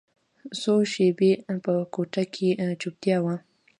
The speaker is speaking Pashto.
څو شېبې په کوټه کښې چوپتيا وه.